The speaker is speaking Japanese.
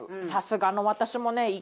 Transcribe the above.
さすがの私もね。